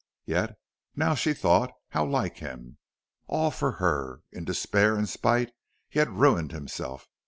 Yet, now she thought, how like him. All for her in despair and spite he had ruined himself.